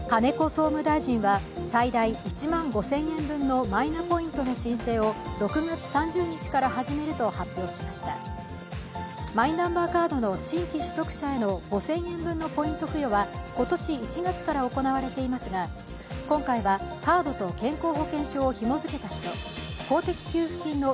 総務大臣は最大１万５０００円分のマイナポイントの申請を６月３０日から始めると発表しましたマイナンバーカードの新規取得者への５０００円分のポイント付与は今年１月から行われていますが今回は、カードと健康保険証をひも付けた人、公的給付金の